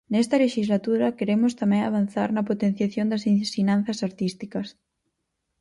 Nesta lexislatura queremos tamén avanzar na potenciación das ensinanzas artísticas.